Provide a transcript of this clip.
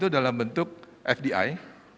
dalam bentuk fdi